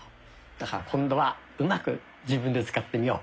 だから今度はうまく自分で使ってみよう。